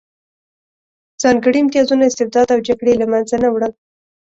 ځانګړي امتیازونه، استبداد او جګړې یې له منځه نه وړل